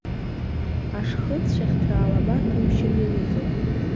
Ашхырцәаӷьҭра алаба ҭушьыр иаҩызоуп.